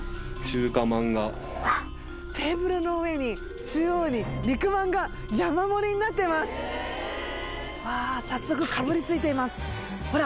テーブルの上に中央に肉まんが山盛りになってますわあ早速かぶりついていますほら